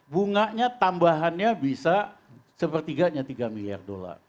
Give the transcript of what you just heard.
bunganya tambahannya bisa sepertiganya tiga miliar dolar